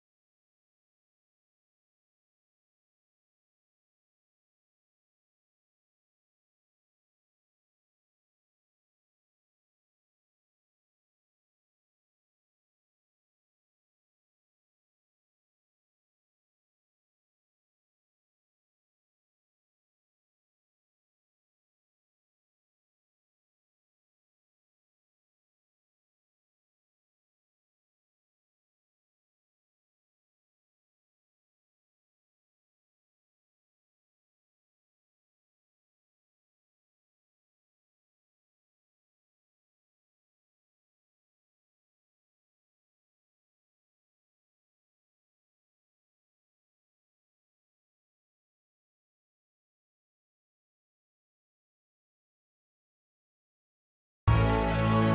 seorang rudtsa melewatkan dapuru proudee kannsteng deh